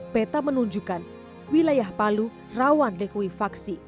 peta menunjukkan wilayah palu rawan likuifaksi